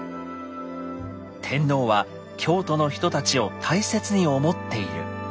「天皇は京都の人たちを大切に思っている」。